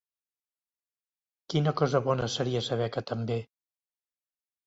Quina cosa bona seria saber que també!